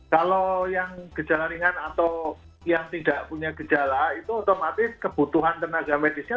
kalau yang gejala ringan atau yang tidak punya gejala itu otomatis kebutuhan tenaga medisnya